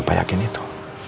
papa yakin itu